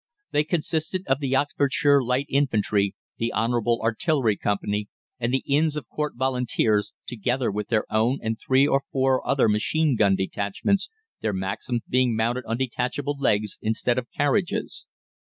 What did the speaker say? They consisted of the Oxfordshire Light Infantry, the Honourable Artillery Company, and the Inns of Court Volunteers, together with their own and three or four other machine gun detachments, their Maxims being mounted on detachable legs instead of carriages.